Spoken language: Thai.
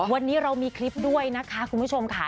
วันนี้เรามีคลิปด้วยนะคะคุณผู้ชมค่ะ